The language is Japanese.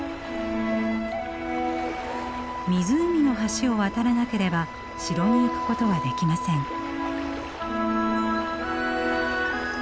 湖の橋を渡らなければ城に行くことはできません。